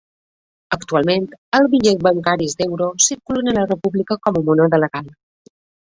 Actualment els bitllets bancaris d'Euro circulen a la República com a moneda legal.